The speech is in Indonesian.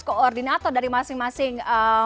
koordinator dari masing masing